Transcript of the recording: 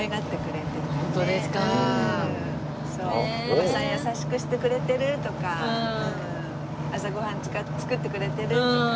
「おばさん優しくしてくれてる？」とか「朝ご飯作ってくれてる？」とか。